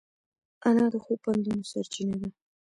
انا د ښو پندونو سرچینه ده